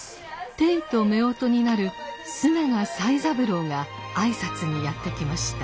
ていとめおとになる須永才三郎が挨拶にやって来ました。